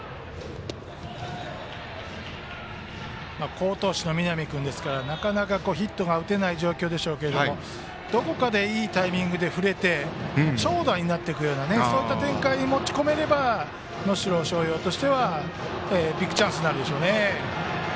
好投手の南君ですからなかなかヒットが打てませんがどこか、いいタイミングで振れて長打になってくれるそういった展開に持ち込めれば能代松陽としてはビッグチャンスになりますね。